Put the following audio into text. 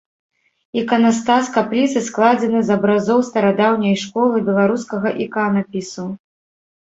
Іканастас капліцы складзены з абразоў старадаўняй школы беларускага іканапісу.